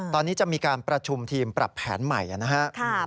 ตอนนี้จะมีการประชุมทีมปรับแผนใหม่นะครับ